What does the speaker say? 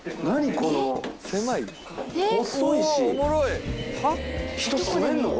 この細いし。